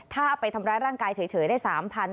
ถ้าไปทำร้ายร่างกายเฉยได้๓๐๐บาท